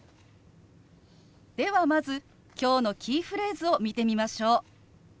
ではまず今日のキーフレーズを見てみましょう。